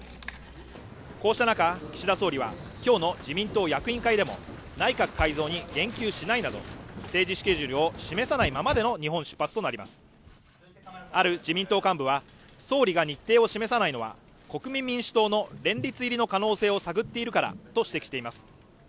こうした中岸田総理は今日の自民党役員会でも内閣改造に言及しないなどと政治スケジュールを示さないままでの日本出発となりますある自民党幹部は総理が日程を示さないのは国民民主党の連立入りの可能性を探っているからと指摘しています